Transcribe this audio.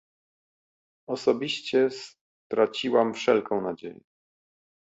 Osobiście straciłam wszelką nadzieję